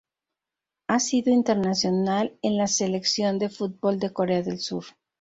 Ha sido internacional con la selección de fútbol de Corea del Sur.